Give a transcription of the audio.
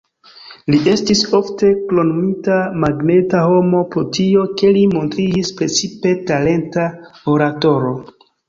Li estis ofte kromnomita "magneta homo" pro tio, ke li montriĝis precipe talenta oratoro.